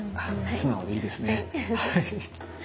素直でいいですね。